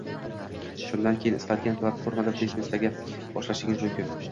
Shundan keyin istalgan platformada biznesingizni boshlashingiz mumkin.